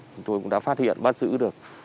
chúng tôi cũng đã phát hiện bắt giữ được